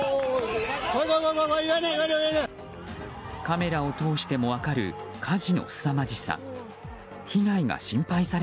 カメラを通しても分かる火事のすさまじさ。